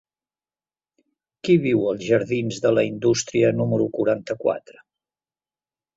Qui viu als jardins de la Indústria número quaranta-quatre?